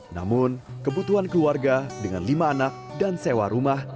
namun kebutuhan keluarga dengan lima anak dan sewa rumah